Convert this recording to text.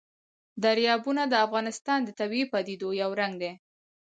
دریابونه د افغانستان د طبیعي پدیدو یو رنګ دی.